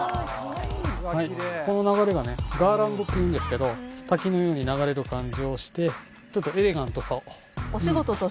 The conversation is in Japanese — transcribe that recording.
はい、この流れがガーランドっていうんですけど、滝のように流れる感じを出して、ちょっとエレガントさを。